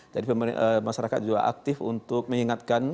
jadi masyarakat juga aktif untuk mengingatkan